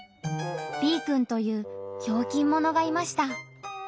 Ｂくんというひょうきんものがいました。